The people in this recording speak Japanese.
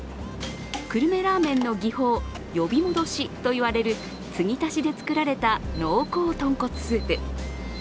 久留米ラーメンの技法呼び戻しといわれる継ぎ足しで作られた濃厚とんこつスープ。